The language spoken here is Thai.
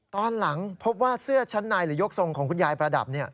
ตอนหลังพบว่าเสื้อชั้นในหรือยกทรงของคุณยายประดับ